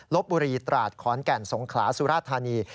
บุรีตราดขอนแก่นสงขลาสุราธานี